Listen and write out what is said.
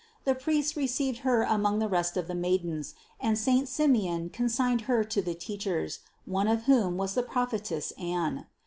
The priests received Her among the rest of the maidens, and saint Simeon con signed Her to the teachers, one of whom was the prophetess Anne.